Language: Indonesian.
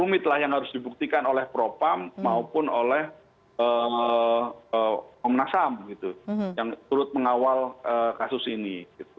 rumit lah yang harus dibuktikan oleh propam maupun oleh komnas ham yang turut mengawal kasus ini